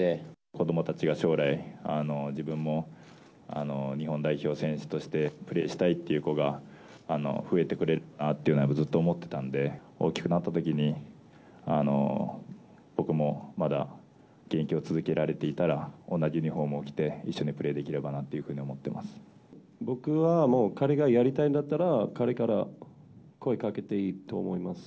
子どもたちが将来、自分も日本代表選手としてプレーしたいという子が増えてくれるようにと、ずっと思ってたんで、大きくなったときに、僕もまだ現役を続けられていたら、同じユニホーム着て、一緒にプレーできれ僕はもう、彼がやりたいんだったら、彼から声かけていいと思います。